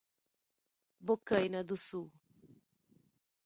Bocaina do Sul